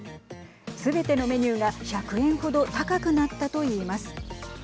すべてのメニューが１００円ほど高くなったといいます。